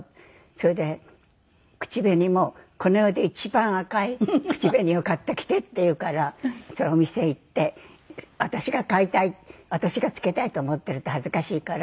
それで口紅も「この世で一番赤い口紅を買ってきて」って言うからお店へ行って私が買いたい私がつけたいと思ってると恥ずかしいから。